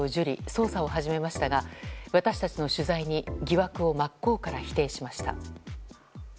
捜査を始めましたが私たちの取材に疑惑を真っ向から否定しました。